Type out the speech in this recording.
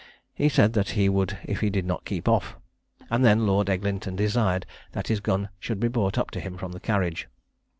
He said that he would if he did not keep off, and then Lord Eglinton desired that his gun should be brought to him from the carriage.